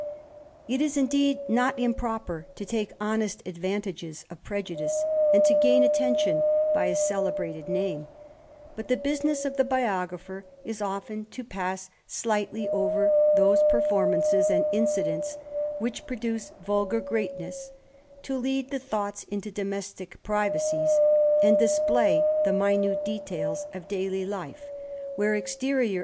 It is, indeed, not improper to take honest advantages of prejudice, and to gain attention by a celebrated name ; but the biismess of the biographer is often to pass slightly over thijM: performances and incidents, which produce vulgar greatness, to lead the thoughts into domcstick privacies, «nd di!>play the minute details of daily life, where exterior "1 82 THE RAMBLER.